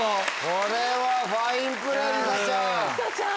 これはファインプレーりさちゃん。